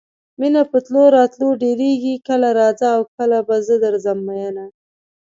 مینه په تلو راتلو ډېرېږي کله راځه او کله به زه درځم میینه.